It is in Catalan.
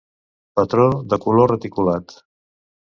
Patró de color reticulat.